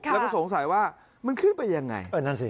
แล้วก็สงสัยว่ามันขึ้นไปอย่างไร